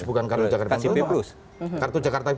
bukan kartu jakarta pintu